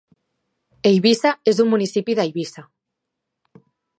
Eivissa és un municipi d'Eivissa.